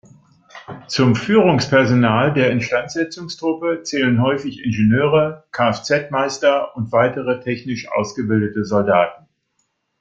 Zum Führungspersonal der Instandsetzungstruppe zählen häufig Ingenieure, Kfz-Meister und weitere technisch ausgebildete Soldaten.